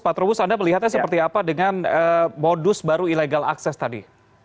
pak trubus anda melihatnya seperti apa dengan modus baru illegal access tadi